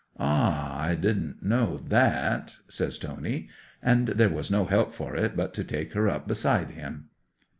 '"Ah! I didn't know that," says Tony. And there was no help for it but to take her up beside him.